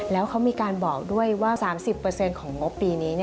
แล้วเขามีการบอกด้วยว่า๓๐ของงบปีนี้